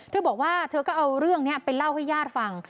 เธอบอกว่าเธอก็เอาเรื่องนี้ไปเล่าให้ญาติฟัง